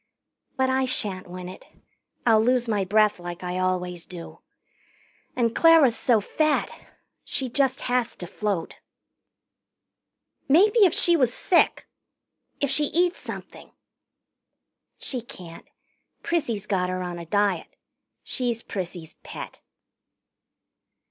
"But I shan't win it. I'll lose my breath like I always do. And Clara's so fat. She just has to float." "Maybe if she was sick if she eats something " "She can't. Prissy's got her on a diet. She's Prissy's pet."